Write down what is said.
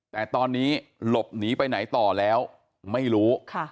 แต่ตอนนี้หลบหนีไปไหนต่อแล้วไม่รู้